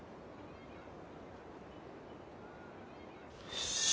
よし。